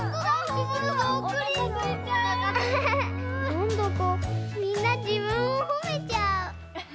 なんだかみんなじぶんをほめちゃう。